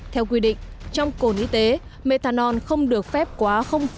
theo quy định trong cồn y tế methanol không được phép quá